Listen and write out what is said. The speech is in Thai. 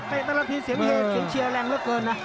เตะตลอดทีเสียงเหตุเสียงเชียร์แรงเยอะเกินนะ